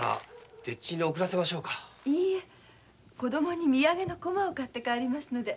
いいえ子供に土産のコマを買って帰りますので。